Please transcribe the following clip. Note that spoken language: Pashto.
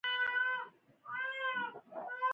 ایران د کډوالو لپاره ښوونځي لري.